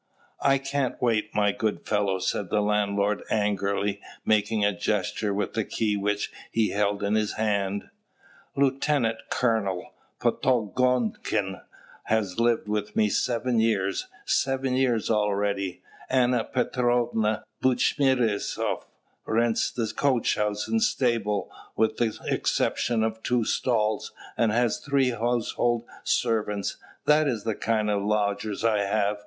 "I can't wait, my good fellow," said the landlord angrily, making a gesture with the key which he held in his hand. "Lieutenant Colonel Potogonkin has lived with me seven years, seven years already; Anna Petrovna Buchmisteroff rents the coach house and stable, with the exception of two stalls, and has three household servants: that is the kind of lodgers I have.